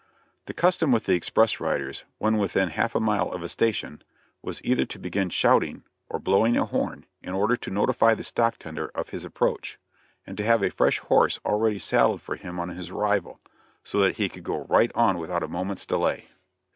The custom with the express riders, when within half a mile of a station, was either to begin shouting or blowing a horn in order to notify the stock tender of his approach, and to have a fresh horse already saddled for him on his arrival, so that he could go right on without a moment's delay.